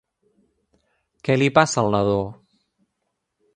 Què li passa al nadó?